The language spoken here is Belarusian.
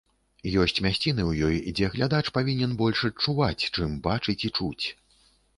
Ёсць мясціны ў ёй, дзе глядач павінен больш адчуваць, чым бачыць і чуць.